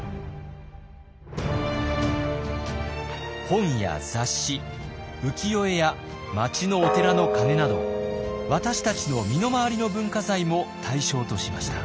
本や雑誌浮世絵や町のお寺の鐘など私たちの身の回りの文化財も対象としました。